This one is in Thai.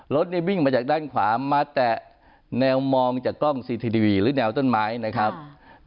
รถวิ่งมาจากด้านขวามาแตะแนวมองจากกล้องซีทีวีหรือแนวต้นไม้นะครับ